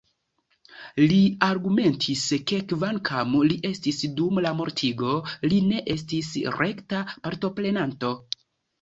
Li argumentis, ke kvankam li estis dum la mortigo, li ne estis rekta partoprenanto.